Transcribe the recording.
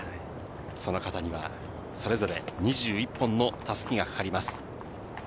その肩にはそれぞれ２１本の襷がかかります。